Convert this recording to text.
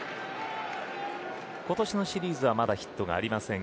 今年のシリーズは、まだヒットがありません。